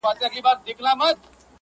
زه خو یارانو نامعلوم آدرس ته ودرېدم